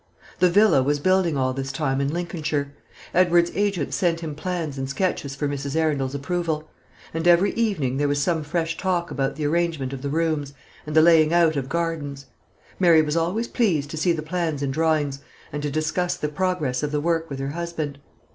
The villa was building all this time in Lincolnshire. Edward's agent sent him plans and sketches for Mrs. Arundel's approval; and every evening there was some fresh talk about the arrangement of the rooms, and the laying out of gardens. Mary was always pleased to see the plans and drawings, and to discuss the progress of the work with her husband.